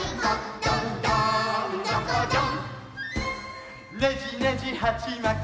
「どんどんどんどん」